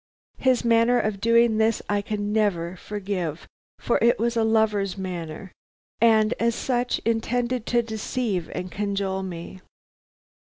His manner of doing this I can never forgive, for it was a lover's manner, and as such intended to deceive and cajole me.